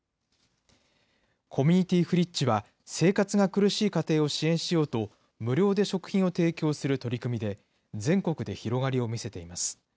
コミュニティフリッジは、生活が苦しい家庭を支援しようと、無料で食品を提供する取り組みで、全国で広がりを見せています。